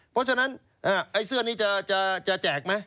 เพราะฉะนั้นไอ้เสื้อนี้จะแจกไหม